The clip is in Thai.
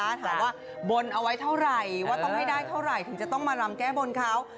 ถามว่าบนเอาไว้เท่าไหร่ว่าต้องให้ได้เท่าไหร่ถึงจะต้องมารำแก้บนเขา